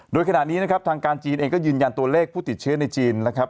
โดยขณะนี้นะครับทางการจีนเองก็ยืนยันตัวเลขผู้ติดเชื้อในจีนนะครับ